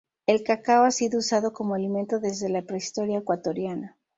El cacao ha sido usado como alimento desde la prehistoria ecuatoriana.